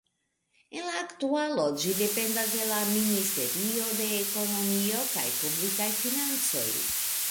En la aktualo ĝi dependas el la Ministerio de Ekonomio kaj Publikaj Financoj.